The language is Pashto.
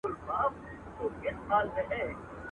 او خزان یې خدایه مه کړې د بهار تازه ګلونه.